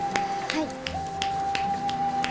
はい。